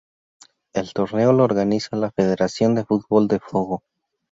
El torneo lo organiza la federación de fútbol de Fogo.